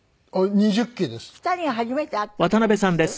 ２人が初めて会ったのはいつ？